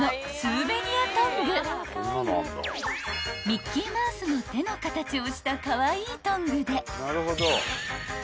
［ミッキーマウスの手の形をしたカワイイトングで］